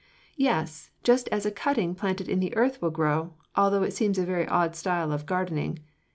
"Yes, just as a cutting planted in the earth will grow, although it seems a very odd style of gardening.